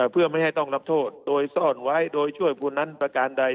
เพื่อไม่ให้ต้องรับโทษโดยซ่อนไว้โดยช่วยผู้นั้นประการใด